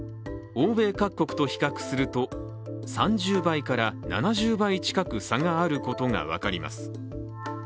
欧米各国と比較すると３０倍から７０倍近く差があることが分かります。